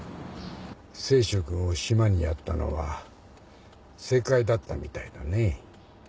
清舟君を島にやったのは正解だったみたいだねぇ。